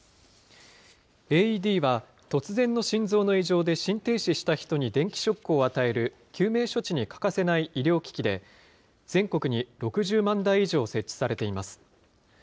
ＡＥＤは、突然の心臓の異常で心停止した人に電気ショックを与える救命処置に欠かせない医療機器で、全国に６０万台以上設置されています。